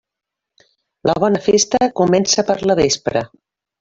La bona festa comença per la vespra.